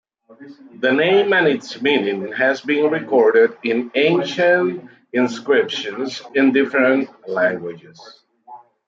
The name and its meaning has been recorded in ancient inscriptions in different languages.